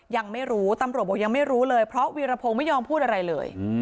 ยังไม่รู้ตำรวจบอกยังไม่รู้เลยเพราะวีรพงศ์ไม่ยอมพูดอะไรเลย